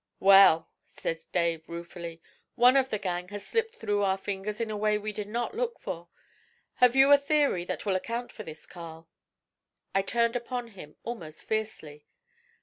'Well!' said Dave ruefully; 'one of the gang has slipped through our fingers in a way we did not look for. Have you a theory that will account for this, Carl?' I turned upon him almost fiercely.